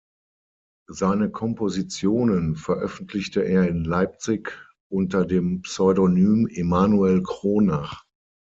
Seine Kompositionen veröffentlichte er in Leipzig unter dem Pseudonym „Emanuel Kronach“.